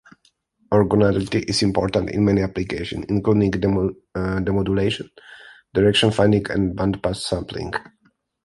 Orthogonality is important in many applications, including demodulation, direction-finding, and bandpass sampling.